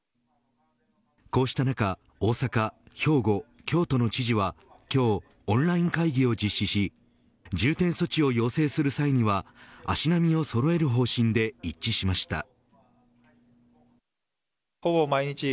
こうした中大阪、兵庫、京都の知事は今日オンライン会議を実施し重点措置を要請する際には足並みをそろえる方針で一致しました。